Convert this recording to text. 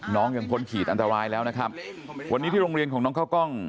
น้องยังพ้นขีดอันตรายแล้วนะครับวันนี้ที่โรงเรียนของน้องข้าวกล้อง